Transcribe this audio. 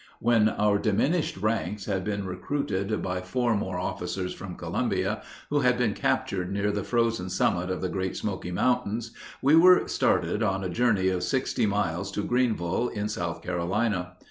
When our diminished ranks had been recruited by four more officers from Columbia, who had been captured near the frozen summit of the Great Smoky Mountains, we were started on a journey of sixty miles to Greenville in South Carolina.